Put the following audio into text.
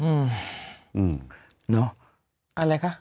อะไรคะ